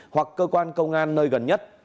hoặc cơ quan công an nơi gần nhất